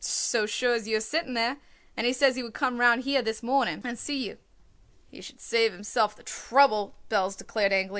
"So sure as you are sitting there. And he says he would come round here this morning and see you." "He should save himself the trouble," Belz declared angrily.